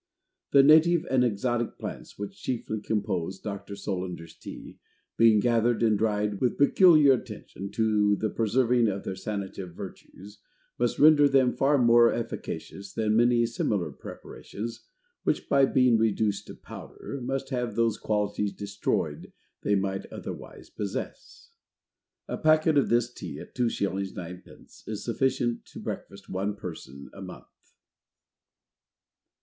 The native and exotic Plants which chiefly compose Dr. Solander's Tea, being gathered and dried with peculiar attention, to the preserving of their sanative Virtues, must render them far more efficacious than many similar Preparations, which by being reduced to Powder, must have those Qualities destroyed they might otherwise possess. A Packet of this Tea at 2s. 9d. is sufficient to breakfast one Person a Month.